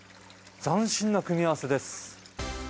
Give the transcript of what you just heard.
斬新な組み合わせです。